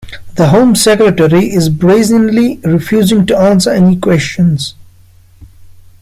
The Home Secretary is brazenly refusing to answer any questions